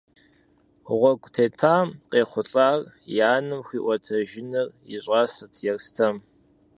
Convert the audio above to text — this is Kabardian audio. Гъуэгу тетамэ, къехъулӏар и анэм хуиӏуэтэжыныр и щӏасэт Ерстэм.